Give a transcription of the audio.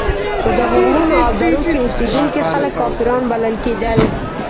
په دغو غرونو او درو کې اوسېدونکي خلک کافران بلل کېدل.